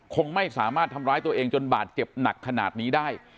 คงไม่สามารถทำร้ายตัวเองจนบาดเจ็บหนักขนาดนี้ได้